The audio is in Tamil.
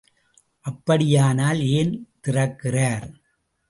அப்படியானால் ஏன் திறக்கிறார்?